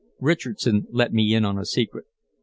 Richardson let me in on a secret.